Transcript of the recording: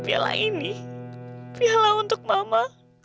piala ini piala untuk mama